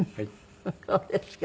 そうですか。